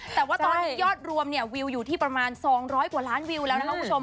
แต่ว่าตอนนี้ยอดรวมเนี่ยวิวอยู่ที่ประมาณ๒๐๐กว่าล้านวิวแล้วนะคะคุณผู้ชม